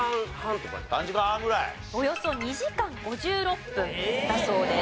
およそ２時間５６分だそうです。